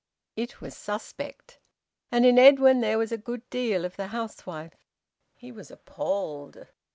It was suspect. And in Edwin there was a good deal of the housewife. He was appalled.